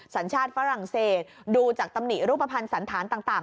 สัญชาติฝรั่งเศสดูจากตำหนิรูปภัณฑ์สันธารต่าง